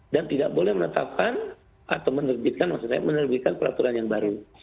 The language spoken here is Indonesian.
dan tidak boleh menetapkan atau menerbitkan maksud saya menerbitkan peraturan yang baru